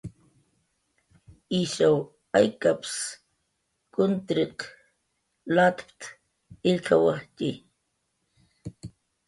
"Ishaw aykap""ps kuntirq latp""t""a illk""awajttxi."